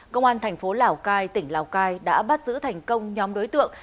công an thành phố lào cai tỉnh lào cai đã bắt giữ thành công nhóm đối tượng